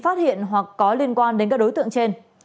phát hiện hoặc có liên quan đến các đối tượng trên